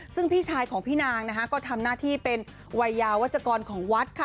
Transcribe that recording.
ซึ่งพี่ชายของพี่นางนะคะก็ทำหน้าที่เป็นวัยยาวัชกรของวัดค่ะ